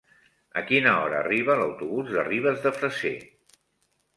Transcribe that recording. A quina hora arriba l'autobús de Ribes de Freser?